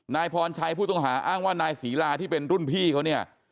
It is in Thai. นายพรชัยผู้ต้องหาอ้างว่านายศรีลาที่เป็นรุ่นพี่เขาเนี่ย